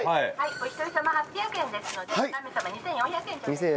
お一人様８００円ですので３名様２４００円頂戴します。